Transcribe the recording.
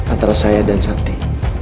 antara saya dan santi